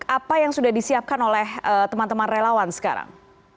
apa yang sudah disiapkan oleh teman teman relawan sekarang